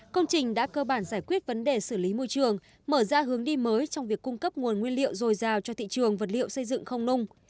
công trình đã cơ bản giải quyết vấn đề xử lý môi trường mở ra hướng đi mới trong việc cung cấp nguồn nguyên liệu dồi dào cho thị trường vật liệu xây dựng không nung